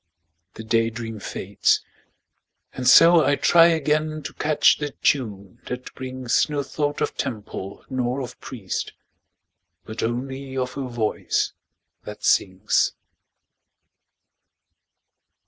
The day dream fades and so I try Again to catch the tune that brings No thought of temple nor of priest, But only of a voice that sings.